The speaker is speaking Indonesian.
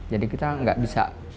jadi kita nggak bisa